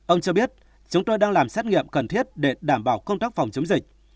ông cho biết chúng tôi đang làm xét nghiệm cần thiết để đảm bảo công tác phòng chống dịch